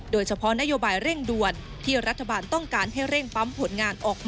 โดยเฉพาะโยบายเร่งด่วน